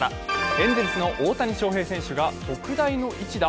エンゼルスの大谷翔平選手が特大の一打！？